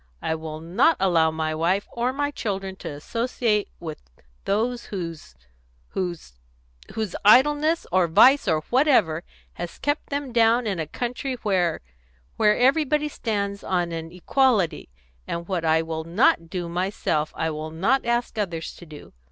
I will not allow my wife or my children to associate with those whose whose whose idleness, or vice, or whatever, has kept them down in a country where where everybody stands on an equality; and what I will not do myself, I will not ask others to do.